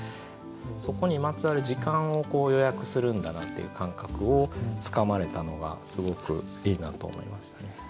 そこにまつわる時間を予約するんだなっていう感覚をつかまれたのがすごくいいなと思いましたね。